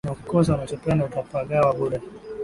Na ukikosa unachopenda, utapagawa bure